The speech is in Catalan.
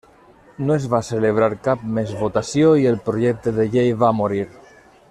No es va celebrar cap més votació i el projecte de llei va morir.